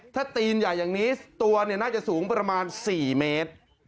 ถ้าตีนใหญ่อย่างนี้ตัวน่าจะสูงประมาณ๔เมตร